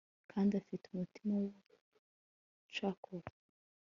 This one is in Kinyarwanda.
Kandi afite umutima wubucakura